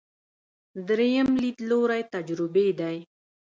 درېیم لیدلوری تجربي دی.